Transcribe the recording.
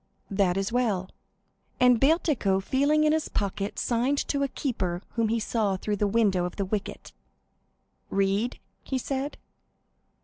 "That is well." And Bertuccio, feeling in his pocket, signed to a keeper whom he saw through the window of the wicket. "Read?" he said.